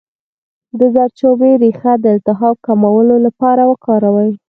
د زردچوبې ریښه د التهاب د کمولو لپاره وکاروئ